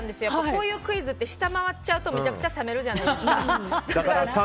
こういうクイズって下回っちゃうとめちゃくちゃ責めるじゃないですか。